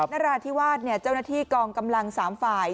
นราธิวาสเจ้าหน้าที่กองกำลัง๓ฝ่าย